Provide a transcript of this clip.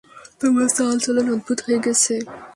তোমার চাল-চলন অদ্ভুত হয়ে গেছে।